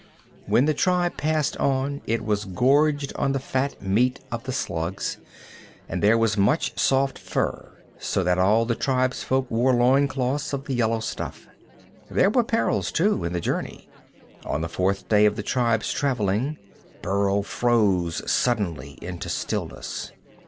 When the tribe passed on it was gorged on the fat meat of the slugs, and there was much soft fur, so that all the tribefolk wore loin cloths of the yellow stuff. There were perils, too, in the journey. On the fourth day of the tribe's traveling, Burl froze suddenly into stillness.